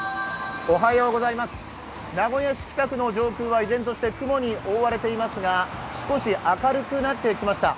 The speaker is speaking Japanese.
名古屋市北区の上空は依然として雲に覆われていますが、少し明るくなってきました。